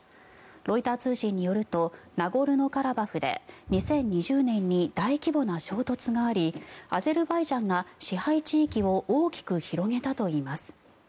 ロイター通信によるとナゴルノカラバフで２０２０年に大規模な衝突がありアゼルバイジャンが支配地域を大きく広げたといいます。